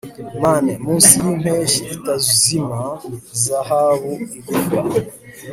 manes, munsi yimpeshyi itazima izahabu igufwa